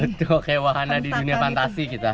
betul kayak wahana di dunia fantasi kita